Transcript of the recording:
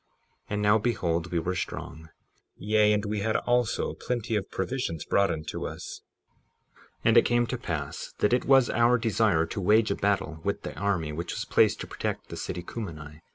And now behold, we were strong, yea, and we had also plenty of provisions brought unto us. 57:7 And it came to pass that it was our desire to wage a battle with the army which was placed to protect the city Cumeni.